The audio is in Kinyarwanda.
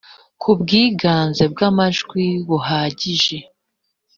ku bwiganze bw amajwi buhagije